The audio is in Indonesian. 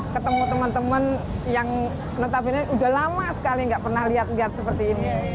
ketemu teman teman yang notabene udah lama sekali nggak pernah lihat lihat seperti ini